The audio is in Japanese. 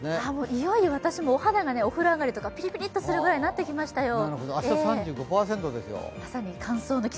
いよいよ私もお肌が、お風呂上がりピリピリするようになってきましたよ。